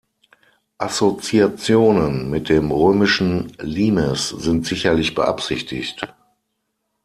Assoziationen mit dem römischen Limes sind sicherlich beabsichtigt.